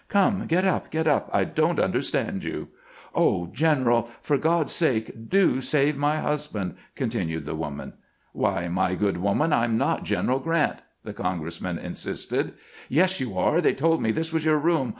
Come, get up, get up ! I don't understand you." " Oh, general, for God's sake, do save my husband !" continued the woman. " Why, my good woman, I 'm not General Grant," the congressman insisted. " Yes, you are ; they told me this was your room.